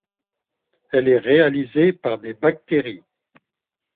Elle est réalisée par des bactéries.